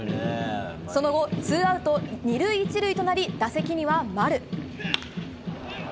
その後ツーアウト２塁１塁となり打席には丸。